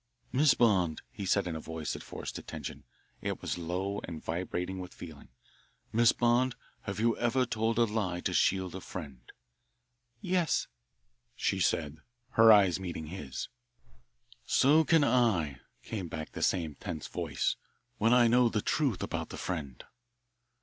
"Miss Bond," he said in a voice that forced attention it was low and vibrating with feeling "Miss Bond, have you ever told a lie to shield a friend?" "Yes," she said, her eyes meeting his. "So can I," came back the same tense voice, "when I know the truth about that friend."